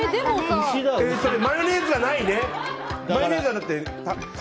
マヨネーズはないね。